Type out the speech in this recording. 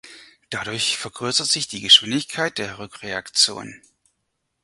Dadurch vergrößert sich die Geschwindigkeit der Rückreaktion.